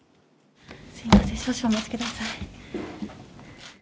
すみません、少々お待ちください。